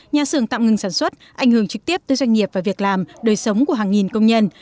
nhà xưởng tạm ngưng sản xuất ảnh hưởng trực tiếp tới doanh nghiệp và việc làm đời sống của hàng nghìn công nhân